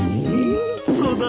そうだね。